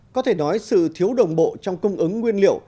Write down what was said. có thể nói sự thiếu đồng bộ trong cung ứng nguyên liệu